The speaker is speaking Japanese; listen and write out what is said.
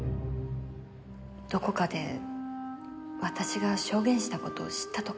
どこかで私が証言した事を知ったとか。